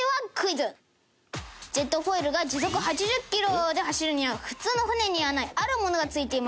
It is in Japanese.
ジェットフォイルが時速８０キロで走るには普通の船にはないあるものが付いています。